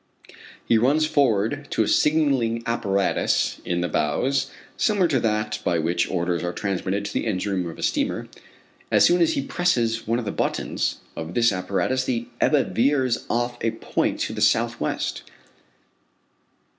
He runs forward to a signalling apparatus in the bows, similar to that by which orders are transmitted to the engine room of a steamer. As soon as he presses one of the buttons of this apparatus the Ebba veers off a point to the south west.